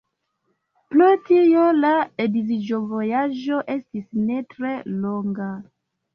Pro tio la edziĝovojaĝo estis ne tre longa.